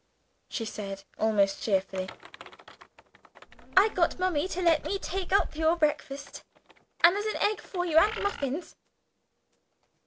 she said, almost cheerfully; "I got Mummy to let me take up your breakfast; and there's an egg for you, and muffins."